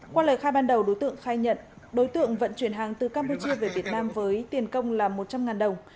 qua lời khai ban đầu đối tượng khai nhận đối tượng vận chuyển hàng từ campuchia về việt nam với tiền công là một trăm linh đồng